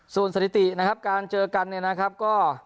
ส่วนสถิตินะครับการเจอกันเนี่ยนะครับก็